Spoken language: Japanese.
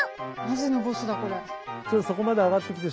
マジのボスだこれ。